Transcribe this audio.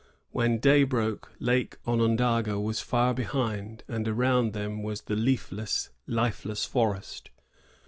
When day broke, Lake Onondaga was far behind, and around them was the leafless, lifeless forest.